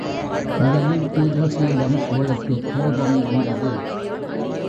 முதலில் ஊர்வசியிடம் அவளுக்குக் கோபம் வந்தது.